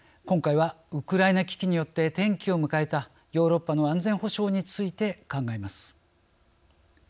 今回はウクライナ危機によって転機を迎えたヨーロッパの安全保障について考えます。